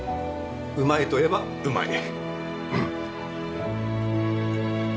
うまいといえばうまい。